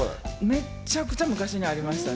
めちゃくちゃ昔にありました。